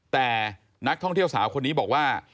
แต่นักท่องเที่ยวสาวคนนี้บอกว่า